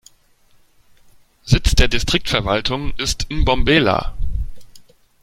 Sitz der Distriktverwaltung ist Mbombela.